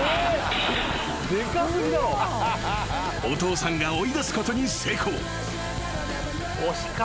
［お父さんが追い出すことに成功］